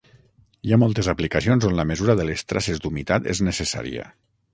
Hi ha moltes aplicacions on la mesura de les traces d'humitat és necessària.